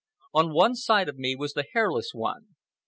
On one side of me was the Hairless One.